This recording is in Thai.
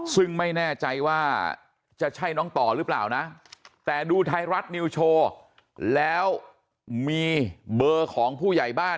ซึ่งไม่แน่ใจว่าจะใช่น้องต่อหรือเปล่านะแต่ดูไทยรัฐนิวโชว์แล้วมีเบอร์ของผู้ใหญ่บ้าน